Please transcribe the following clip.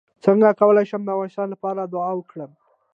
څنګه کولی شم د افغانستان لپاره دعا وکړم